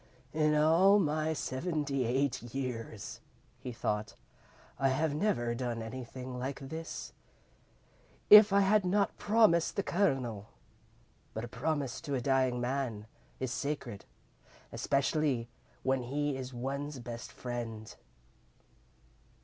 "In all my seventy eight years," he thought, "I have never done anything like this. If I had not promised the Colonel but a promise to a dying man is sacred, especially when he is one's best friend."